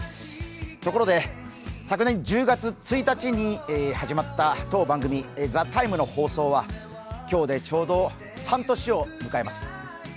ところで、昨年１０月１日に始まった当番組「ＴＨＥＴＩＭＥ，」の放送は今日で、ちょうど半年を迎えます。